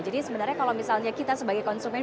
jadi sebenarnya kalau misalnya kita sebagai konsumen